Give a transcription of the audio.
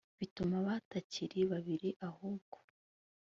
bituma batakiri babiri ahubwo